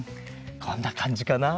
こんなかんじかな。